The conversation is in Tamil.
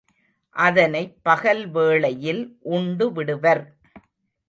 அதனைப் பகல் வேளையில் உண்டு விடுவர்.